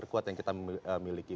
terkuat yang kita miliki